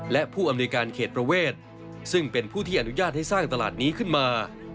และผู้อำนวยการเขตประเวทซึ่งเป็นผู้ที่อนุญาตให้สร้างตลาดนี้ขึ้นมา